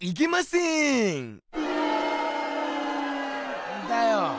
っんだよ。